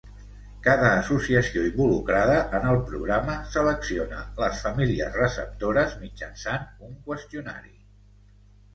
Cada associació involucrada en el programa selecciona les famílies receptores mitjançant un qüestionari.